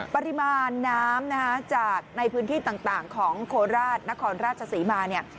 ปริมาณน้ำนะฮะจากในพื้นที่ต่างของโคราชนครราชศรีมาเนี่ย